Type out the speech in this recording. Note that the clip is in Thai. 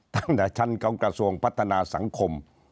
ตั้งแต่ท่านเกาะกระทรวงพัฒนาสังคม